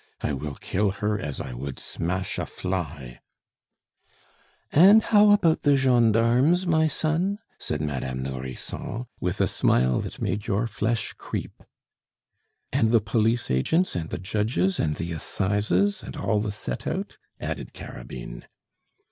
I will kill her as I would smash a fly " "And how about the gendarmes, my son?" said Madame Nourrisson, with a smile that made your flesh creep. "And the police agents, and the judges, and the assizes, and all the set out?" added Carabine.